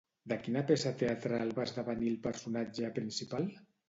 De quina peça teatral va esdevenir el personatge principal?